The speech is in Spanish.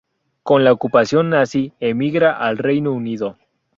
Con la ocupación nazi emigra al Reino Unido.